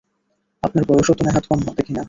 আপনার বয়সও তো নেহাত কম দেখি না।